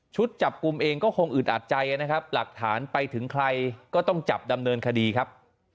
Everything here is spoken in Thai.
จับกลุ่มเองก็คงอึดอัดใจนะครับหลักฐานไปถึงใครก็ต้องจับดำเนินคดีครับ